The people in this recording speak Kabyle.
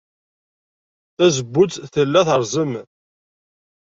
Tazewwut tella terẓem.